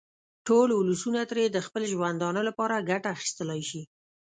ټول ولسونه ترې د خپل ژوندانه لپاره ګټه اخیستلای شي.